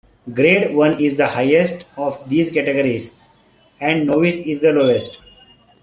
Grade One is the highest of these categories, and Novice is the lowest.